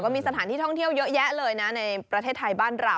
มีสถานที่ท่องเที่ยวเยอะแยะเลยนะในประเทศไทยบ้านเรา